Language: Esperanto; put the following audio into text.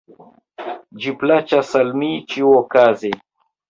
Ĝi plaĉas al mi ĉiuokaze!